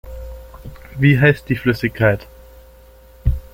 Wie heißt die Flüssigkeit?